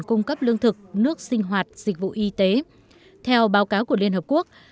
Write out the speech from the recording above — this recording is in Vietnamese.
cung cấp lương thực nước sinh hoạt dịch vụ y tế theo báo cáo của liên hợp quốc